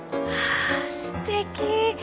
わあすてき。